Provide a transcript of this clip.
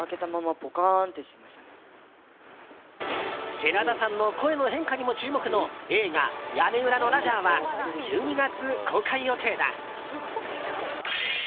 寺田さんの声の変化にも注目の映画「屋根裏のラジャー」は１２月公開予定だ。